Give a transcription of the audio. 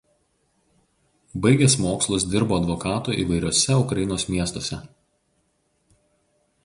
Baigęs mokslus dirbo advokatu įvairiuose Ukrainos miestuose.